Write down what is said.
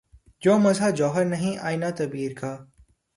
جو مزہ جوہر نہیں آئینۂ تعبیر کا